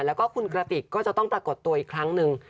แล้วก็คุณกระติกก็จะต้องปรากฏตัวอีกครั้งหนึ่ง